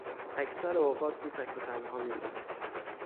اکثر اوقات او تک و تنها میماند.